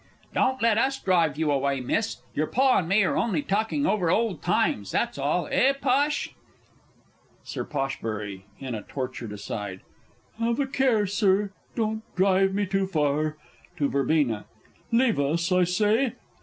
_ Don't let us drive you away, Miss; your Pa and me are only talking over old times, that's all eh, Posh? Sir P. (in a tortured aside). Have a care, Sir, don't drive me too far! (To VERB.) Leave us, I say.